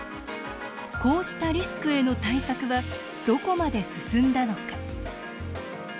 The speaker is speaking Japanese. こうしたリスクへの対策はどこまで進んだのか。